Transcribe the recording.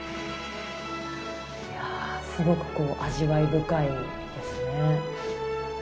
いやぁすごくこう味わい深いですね。